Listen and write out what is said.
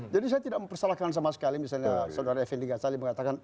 jadi saya tidak mempersalahkan sama sekali misalnya saudara effendy gacali mengatakan